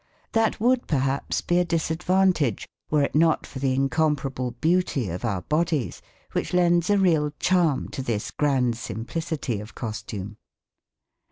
That would perhaps be a disadvantage were it not for the incomparable beauty of our bodies, which lends a real charm to this grand simplicity of costume.